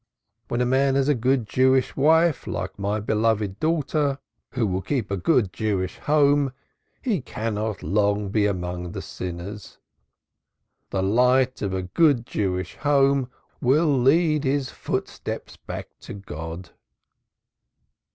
When a man has a good Jewish wife like my beloved daughter, who will keep a good Jewish house, he cannot be long among the sinners. The light of a true Jewish home will lead his footsteps back to God."